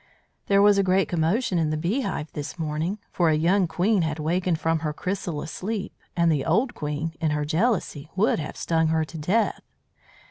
"There was a great commotion in the bee hive this morning, for a young queen had wakened from her chrysalis sleep, and the old queen in her jealousy would have stung her to death.